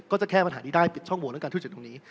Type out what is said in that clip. จะแก้ปัญหานี้ได้ปิดช่องโหวตเรื่องการทุจริตตรงนี้